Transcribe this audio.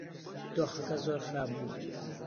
دۆخەکە زۆر خراپ بوو.